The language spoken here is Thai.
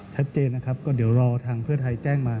ชัดเจนนะครับก็เดี๋ยวรอทางเพื่อไทยแจ้งมา